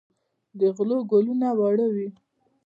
د غلو ګلونه واړه وي.